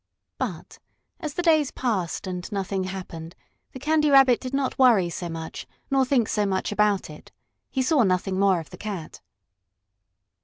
But, as the days passed and nothing happened, the Candy Rabbit did not worry so much, nor think so much about it. He saw nothing more of the cat.